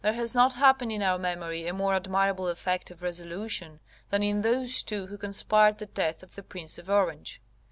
There has not happened in our memory a more admirable effect of resolution than in those two who conspired the death of the Prince of Orange.